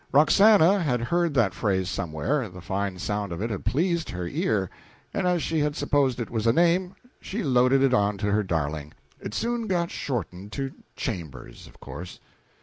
Roxana had heard that phrase somewhere, the fine sound of it had pleased her ear, and as she had supposed it was a name, she loaded it on to her darling. It soon got shorted to "Chambers," of course.